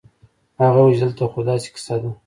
هغه وويل چې دلته خو داسې کيسه ده.